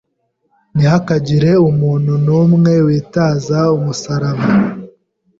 Ntihakagire umuntu n’umwe witaza umusaraba.